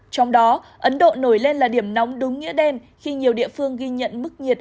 trong đó ấn độ nổi lên là điểm nóng đúng nghĩa đen khi nhiều địa phương ghi nhận mức nhiệt